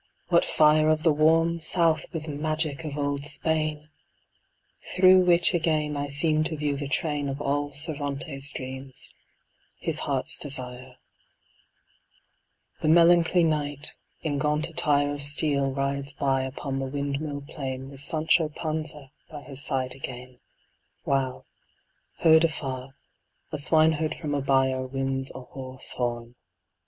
what fire Of the "warm South" with magic of old Spain! Through which again I seem to view the train Of all Cervantes' dreams, his heart's desire: The melancholy Knight, in gaunt attire Of steel rides by upon the windmill plain With Sancho Panza by his side again, While, heard afar, a swineherd from a byre Winds a hoarse horn.